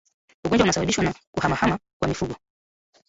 Ugonjwa unasababishwa na kuhamahama kwa mifugo